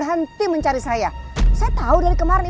ke urban hubung kamu ini